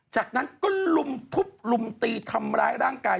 จากนั้นก็ลุมทุบลุมตีทำร้ายร่างกาย